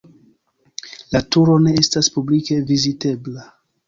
La turo ne estas publike vizitebla.